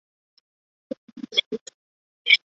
高宗绍兴二年卒。